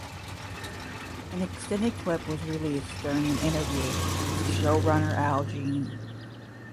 An extended clip was released during an interview with showrunner Al Jean.